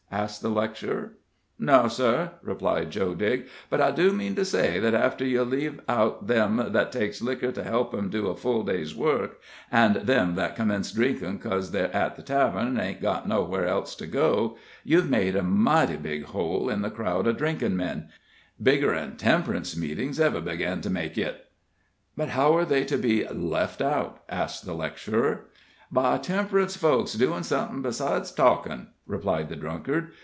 asked the lecturer. "No, sir," replied Joe Digg, "but I do mean to say that after you leave out them that takes liquor to help 'em do a full day's work, an' them that commence drinkin' 'cos they re at the tavern, an' ain't got no where's else to go, you've made a mighty big hole in the crowd of drinkin' men bigger'n temperance meetins' ever begin to make yit" "But how are they to be 'left out'?" asked the lecturer. "By temp'rance folks doin' somethin' beside talkin'," replied the drunkard.